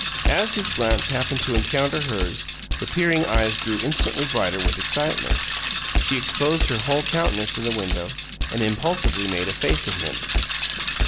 As his glance happened to encounter hers, the peering eyes grew instantly brighter with excitement; she exposed her whole countenance at the window, and impulsively made a face at him.